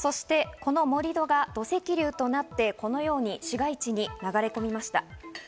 この盛り土が土石流となって、このように市街地に流れ込みました。